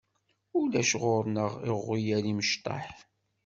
Ulac ɣur-neɣ iɣyal imecṭaḥ.